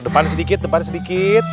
depan sedikit depan sedikit